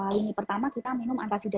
lini pertama kita minum alka sida